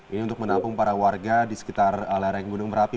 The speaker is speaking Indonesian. ini untuk menampung para warga di sekitar lereng gunung merapi